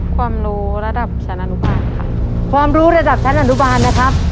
ความรู้ระดับชั้นอนุบาลค่ะความรู้ระดับชั้นอนุบาลนะครับ